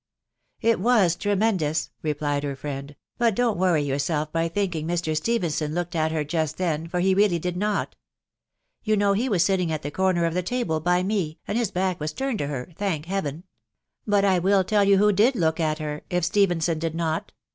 " It was tremendous;*' replied lier friend : w hnt don/tiworry yourself by thinking Mr. Stephenson looked at 'her jttat Hum, for he really dM not. Ten know he was aitnmgat the corner of the table by me, and his back was turned tocher, Afauak Heaven !... .'But I wfll tell you who did.loak ;*t iier, if 'Stephenson did not.